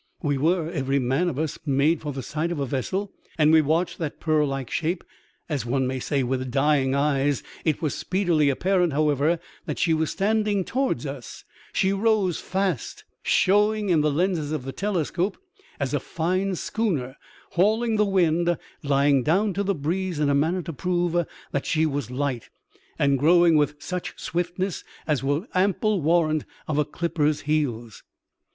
We were, every man of us, mad for the sight of a vessel, and we watched that pearl like shape as one may say with dying eyes. It was speedily apparent, however, that she was standing towards us ; she rose fast, showing in the lenses of the telescope as a fine schooner hauling the wind, lying down to the breeze in a manner to prove that she was light, and growing with such swiftness as was ample warrant of a clipper's heels.